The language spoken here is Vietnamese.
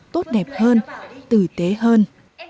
tốt đẹp hơn tử tế hơn